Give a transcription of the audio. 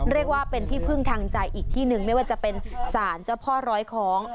เรียกว่าเป็นที่พึ่งทางใจอีกที่หนึ่งไม่ว่าจะเป็นสารเจ้าพ่อร้อยคล้อง